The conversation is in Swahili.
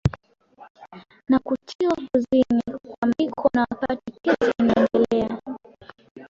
Na kutiwa kuizini kwa Biko na wakati kesi inaendelea